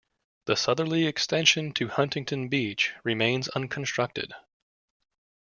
The southerly extension to Huntington Beach remains unconstructed.